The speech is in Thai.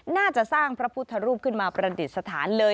น่าจะสร้างพระพุทธรูปขึ้นมาประดิษฐานเลย